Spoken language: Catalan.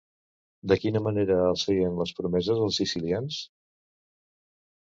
De quina manera els feien les promeses els sicilians?